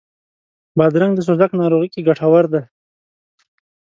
بادرنګ د سوزاک ناروغي کې ګټور دی.